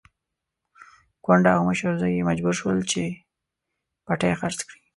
کونډه او مشر زوی يې مجبور شول چې پټی خرڅ کړي.